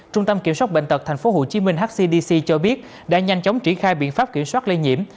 trung tâm kiểm soát bệnh tật tp hcm hcdc cho biết đã nhanh chóng triển khai biện pháp kiểm soát lây nhiễm